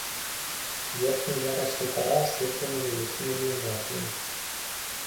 Верхні ярус алтара асветлены вялікімі люнетамі.